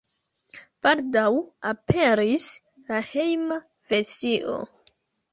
Baldaŭ aperis la hejma versio.